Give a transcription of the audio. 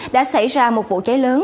đã xảy ra một vụ cháy lớn